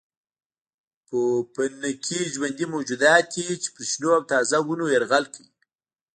پوپنکي ژوندي موجودات دي چې پر شنو او تازه ونو یرغل کوي.